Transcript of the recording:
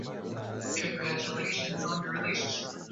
stadich amesema ni muhimu kwa nch hizo kufungua ukurasa mpya